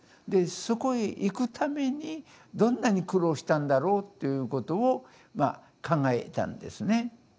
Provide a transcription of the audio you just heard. でそこへ行くためにどんなに苦労したんだろうということをまあ考えたんですね。